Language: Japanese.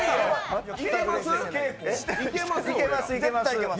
いけます？